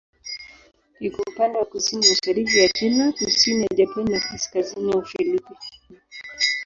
Iko upande wa kusini-mashariki ya China, kusini ya Japani na kaskazini ya Ufilipino.